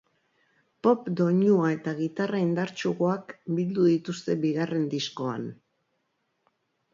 Pop doinuak eta gitarra indartsuagoak bildu dituzte bigarren diskoan.